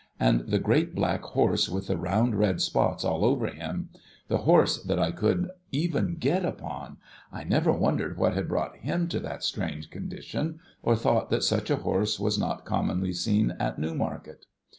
And the great black horse with the round red spots all over him— the horse that I could even get upon — I never wondered what had brought him to that strange condition, or thought that such a horse was not commonly seen at Newmarket.